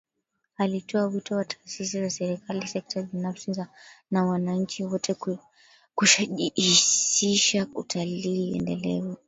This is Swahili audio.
Alitoa wito kwa taasisi za Serikali sekta binafsi na wananchi wote kushajihisha utalii endelevu